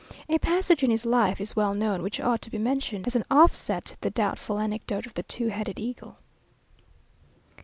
A passage in his life is well known, which ought to be mentioned as an offset to the doubtful anecdote of the two headed eagle.